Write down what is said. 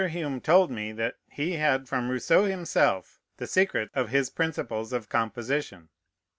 Hume told me that he had from Rousseau himself the secret of his principles of composition.